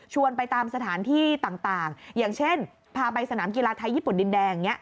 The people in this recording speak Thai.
ไปตามสถานที่ต่างอย่างเช่นพาไปสนามกีฬาไทยญี่ปุ่นดินแดงอย่างนี้